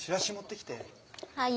はい。